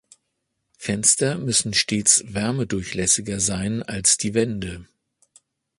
Fenster müssen stets wärmedurchlässiger sein als die Wände.